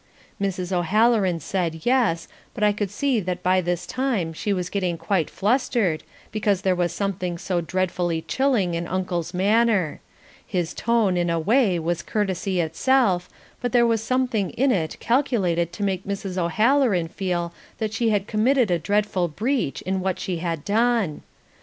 Mrs. O'Halloran said, "Yes," but I could see that by this time she was getting quite flustered because there was something so dreadfully chilling in Uncle's manner: his tone in a way was courtesy itself, but there was something in it calculated to make Mrs. O'Halloran feel that she had committed a dreadful breach in what she had done.